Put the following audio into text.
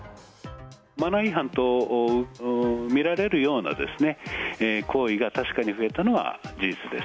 マナー違反と見られるようなですね、行為が確かに増えたのは事実です。